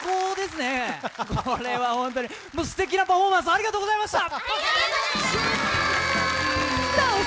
すてきなパフォーマンス、ありがとうございました。